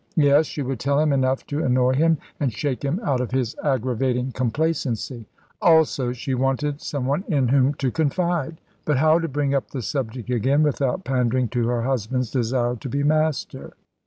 Yes; she would tell him enough to annoy him, and shake him out of his aggravating complacency. Also she wanted some one in whom to confide. But how to bring up the subject again without pandering to her husband's desire to be master?